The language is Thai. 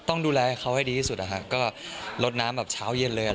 ต้องดูแลเขาให้ดีที่สุดนะฮะก็ลดน้ำแบบเช้าเย็นเลยอ่ะ